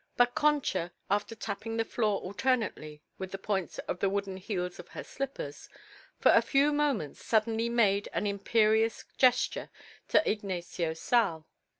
But Concha, after tapping the floor alternately with the points and the wooden heels of her slippers, for a few moments, suddenly made an imperious gesture to Ignacio Sal.